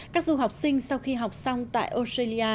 các du học sinh sau khi học xong tại australia